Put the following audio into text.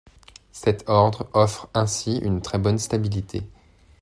Cet ordre offre ainsi une très bonne stabilité.